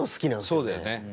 そうだよね。